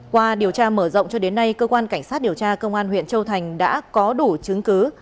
qua điều tra mở rộng cho đến nay cơ quan cảnh sát điều tra công an huyện châu thành đã có đủ chứng cứ